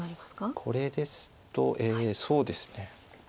これですとそうですね。